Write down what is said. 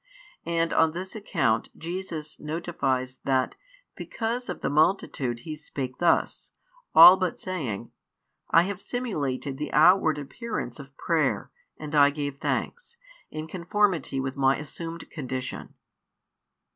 And on this account [Jesus] notifies that because of the multitude He spake thus, all but saying: "I have simulated the outward appearance of prayer, and I gave thanks, in conformity with My assumed condition."